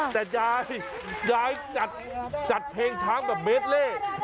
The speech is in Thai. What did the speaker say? แต่ยายยายจัดเพลงช้างแบบเมดเล่